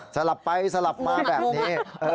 สลับไปสลับมาแบบนี้